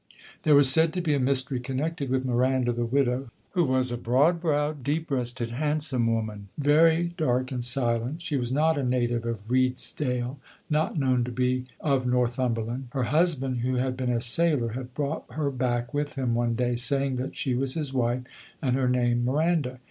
There was said to be a mystery connected with Miranda the widow, who was a broad browed, deep breasted, handsome woman, very dark and silent. She was not a native of Redesdale, not known to be of Northumberland. Her husband, who had been a sailor, had brought her back with him one day, saying that she was his wife and her name Miranda.